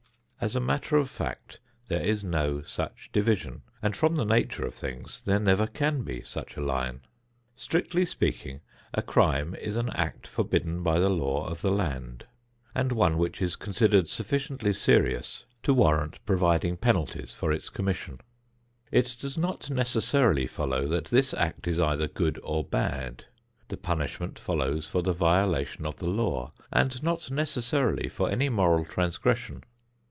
As a matter of fact, there is no such division, and from the nature of things, there never can be such a line. Strictly speaking, a crime is an act forbidden by the law of the land, and one which is considered sufficiently serious to warrant providing penalties for its commission. It does not necessarily follow that this act is either good or bad; the punishment follows for the violation of the law and not necessarily for any moral transgression.